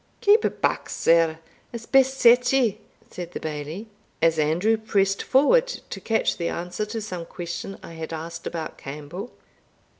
"Keep back, sir, as best sets ye," said the Bailie, as Andrew pressed forward to catch the answer to some question I had asked about Campbell.